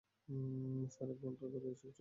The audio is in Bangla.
স্যার, এক ঘণ্টা ধরে এসব বলছে।